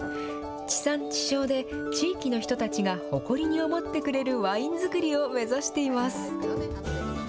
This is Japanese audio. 地産地消で、地域の人たちが誇りに思ってくれるワイン造りを目指しています。